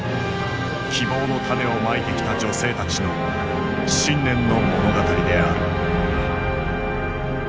希望の種をまいてきた女性たちの信念の物語である。